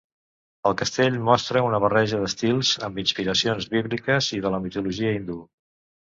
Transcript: El castell mostra una barreja d'estils amb inspiracions bíbliques i de la mitologia hindú.